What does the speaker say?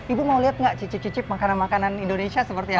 ibu mau lihat nggak cicip cicip makanan makanan indonesia seperti apa